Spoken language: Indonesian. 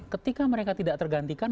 ketika mereka tidak tergantikan